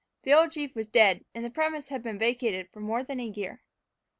The old chief was dead, and the premises had been vacated for more than a year.